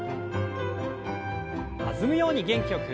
弾むように元気よく。